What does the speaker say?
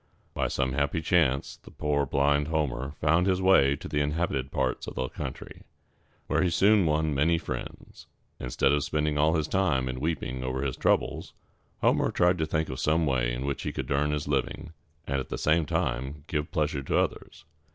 By some happy chance, poor blind Homer found his way to the inhabited parts of the country, where he soon won many friends. Instead of spending all his time in weeping over his troubles, Homer tried to think of some way in which he could earn his living, and at the same time give pleasure to others.